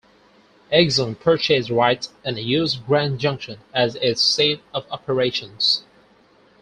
Exxon purchased rights and used Grand Junction as its seat of operations.